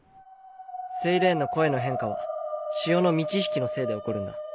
セイレーンの声の変化は潮の満ち引きのせいで起こるんだ。